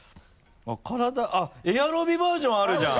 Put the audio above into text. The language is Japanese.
体あっエアロビバージョンあるじゃん！